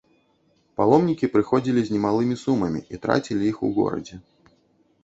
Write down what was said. Паломнікі прыходзілі з немалымі сумамі і трацілі іх у горадзе.